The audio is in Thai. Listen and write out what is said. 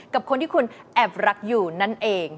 กับคนที่คุณแอบรักอยู่นั่นเอง